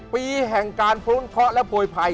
ปีแห่งการพรุ้งเทาะและโผลยภัย